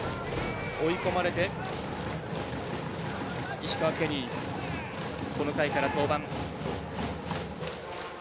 追い込まれて、石川ケニーこの回から登板。